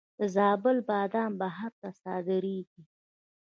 د زابل بادام بهر ته صادریږي.